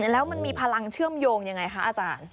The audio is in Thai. แล้วมันมีพลังเชื่อมโยงยังไงคะอาจารย์